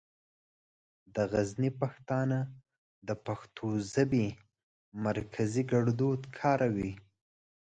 د غزني پښتانه د پښتو ژبې مرکزي ګړدود کاروي.